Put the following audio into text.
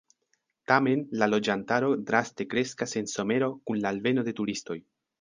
Tamen la loĝantaro draste kreskas en somero kun la alveno de turistoj.